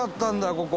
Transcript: ここ。